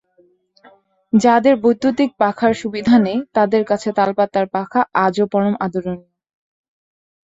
যাঁদের বৈদ্যুতিক পাখার সুবিধা নেই, তাঁদের কাছে তালপাতার পাখা আজও পরম আদরণীয়।